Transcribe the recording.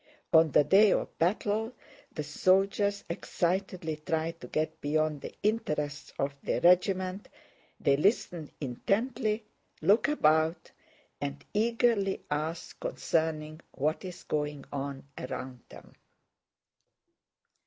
On the day of battle the soldiers excitedly try to get beyond the interests of their regiment, they listen intently, look about, and eagerly ask concerning what is going on around them.